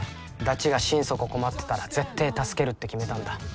ダチが心底困ってたら絶対助けるって決めたんだ。